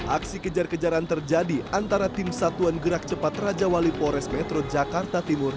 aksi kejar kejaran terjadi antara tim satuan gerak cepat raja wali pores metro jakarta timur